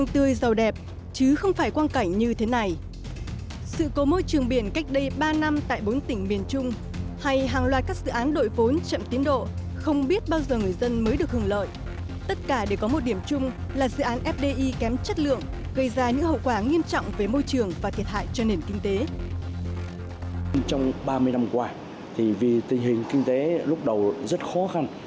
trong ba mươi năm qua vì tình hình kinh tế lúc đầu rất khó khăn